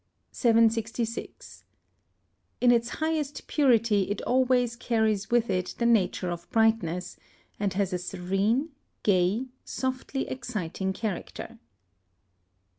766. In its highest purity it always carries with it the nature of brightness, and has a serene, gay, softly exciting character.